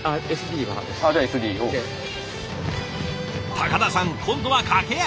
高田さん今度は駆け足。